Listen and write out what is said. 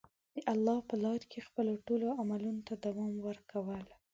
د الله په لاره کې خپلو ټولو عملونو ته دوام ورکول.